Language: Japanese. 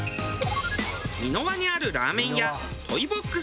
三ノ輪にあるラーメン屋トイ・ボックス。